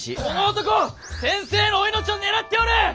この男先生のお命を狙っておる！